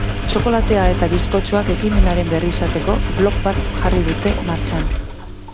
Txokolatea eta bizkotxoak ekimenaren berri izateko, blog bat jarri dute martxan.